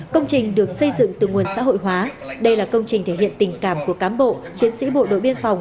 công trình được xây dựng từ nguồn xã hội hóa đây là công trình thể hiện tình cảm của cám bộ chiến sĩ bộ đội biên phòng